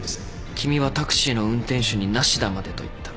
君はタクシーの運転手に「ナシダまで」と言った。